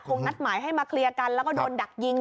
นัดหมายให้มาเคลียร์กันแล้วก็โดนดักยิง